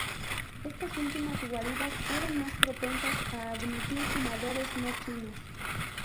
Estas últimas guaridas eran más propensas a admitir fumadores no chinos.